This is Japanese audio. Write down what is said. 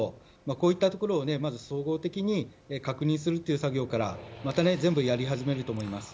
こういったところを総合的に確認する作業からまた全部やり始めると思います。